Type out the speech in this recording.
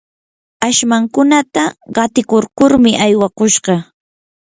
ashmankunata qatikurkurmi aywakushqa.